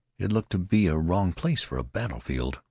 It looked to be a wrong place for a battle field.